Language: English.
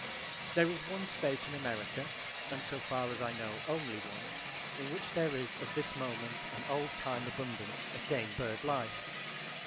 There is one state in America, and so far as I know only one, in which there is at this moment an old time abundance of game bird life.